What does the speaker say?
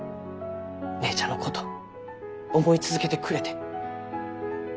姉ちゃんのこと思い続けてくれて。